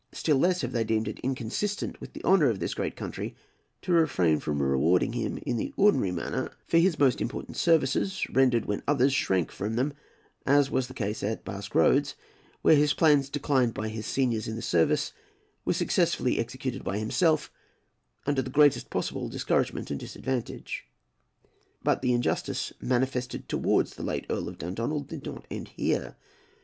Still less have they deemed it inconsistent with the honour of this great country to refrain from rewarding him in the ordinary manner for his most important services, rendered when others shrank from them, as was the case at Basque Roads, where his plans, declined by his seniors in the service, were successfully executed by himself under the greatest possible discouragement and disadvantage. But the injustice manifested towards the late Earl of Dundonald did not end here.